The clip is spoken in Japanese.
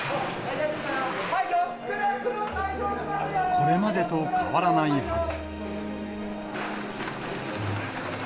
これまでと変わらないはず。